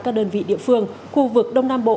các đơn vị địa phương khu vực đông nam bộ